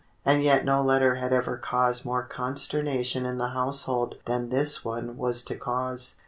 And yet no letter had ever caused more consternation in the household than this one was to cause.